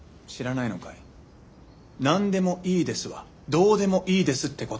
「なんでもいいです」は「どうでもいいです」ってことなの。